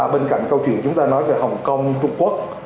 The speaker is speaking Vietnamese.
bên cạnh câu chuyện chúng ta nói về hồng kông trung quốc